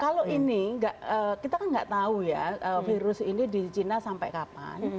kalau ini kita kan nggak tahu ya virus ini di china sampai kapan